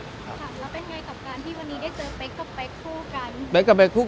แล้วเป็นยังไงกับที่วันนี้